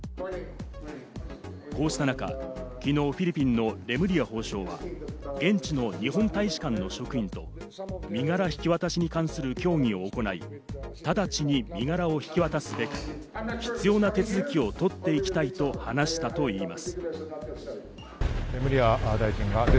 こうした中、昨日、フィリピンのレムリヤ法相は現地の日本大使館の職員と身柄引き渡しに関する協議を行い、直ちに身柄を引き渡すべく、必要な手続きを取っていきたいと話したといいます。